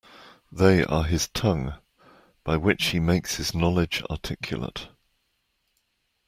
They are his tongue, by which he makes his knowledge articulate.